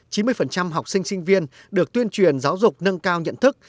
chín mươi học sinh sinh viên được tuyên truyền giáo dục nâng cao nhận thức